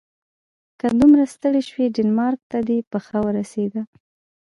که دومره ستړی شوې ډنمارک ته دې پښه ورسیده.